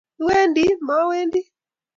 Iwendi? Mowendi!